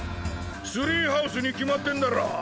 ツリーハウスに決まってんだろ。